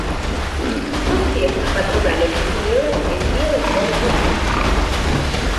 Sus fiestas patronales se celebran el día del Corpus Christi.